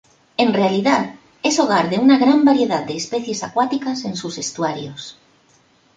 En realidad, es hogar de una gran variedad de especies acuáticas en sus estuarios.